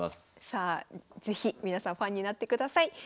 さあ是非皆さんファンになってください。